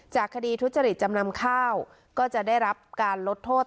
คดีทุจริตจำนำข้าวก็จะได้รับการลดโทษ